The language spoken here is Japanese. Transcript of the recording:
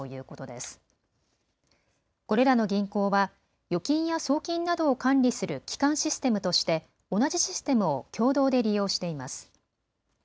これらの銀行は預金や送金などを管理する基幹システムとして同じシステムを共同で利用しています。